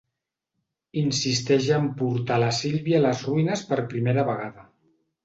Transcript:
Insisteix en portar la Sylvia a les ruïnes per primera vegada.